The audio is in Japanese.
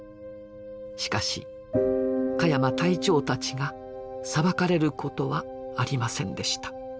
しかし鹿山隊長たちが裁かれることはありませんでした。